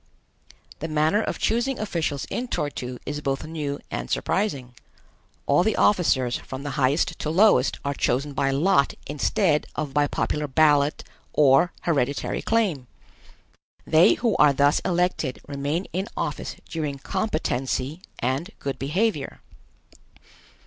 The manner of choosing officials in Tor tu is both new and surprising. All the officers, from the highest to lowest, are chosen by lot instead of by popular ballot or hereditary claim. They who are thus elected remain in office during competency and good behavior.